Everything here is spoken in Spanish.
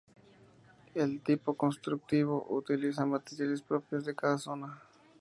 El tipo constructivo utiliza materiales propios de cada zona.